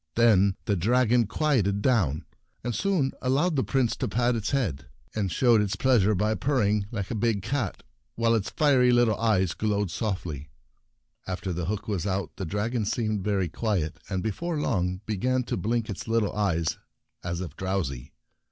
Then the dragon quieted down, and soon allowed the Prince to pat its head, and showed its pleasure by purring like a big cat, while its fiery little eyes glowed softly. Unhooked A Little Pet 32 The Prince Sleepy After the hook was out the dragon seemed very quiet, and before long began to blink its little eyes as if drowsy.